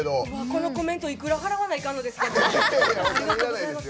このコメントいくら払わないかんのですか。